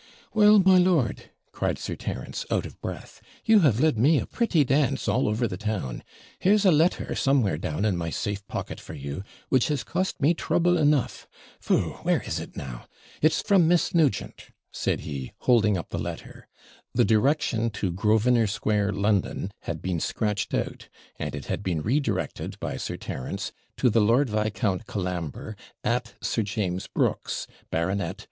'Well, my lord,' cried Sir Terence, out of breath, 'you have led me a pretty dance all over the town; here's a letter somewhere down in my safe pocket for you, which has cost me trouble enough. Phoo! where is it now? it's from Miss Nugent,' said he, holding up the letter. The direction to Grosvenor Square, London, had been scratched out; and it had been re directed by Sir Terence to the Lord Viscount Colambre, at Sir James Brooke's, Bart.